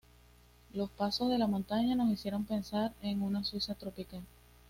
Los pasos de la montaña nos hicieron pensar en una Suiza tropical.